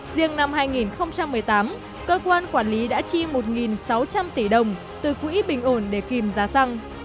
riêng năm hai nghìn một mươi tám cơ quan quản lý đã chi một sáu trăm linh tỷ đồng từ quỹ bình ổn để kìm giá xăng